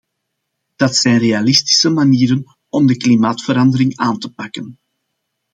Dat zijn realistische manieren om de klimaatverandering aan te pakken.